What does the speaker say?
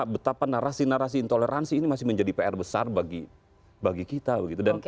betapa narasi narasi intoleransi ini masih menjadi pr besar bagi kita begitu